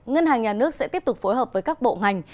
ngân hàng nhà nước sẽ tiếp tục phối hợp với các bộ ngành